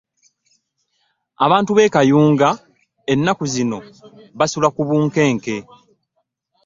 Abantu b'e Kayunga ennaku zino basula ku bunkenke.